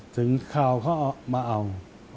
ถึงคราวเขามาเอา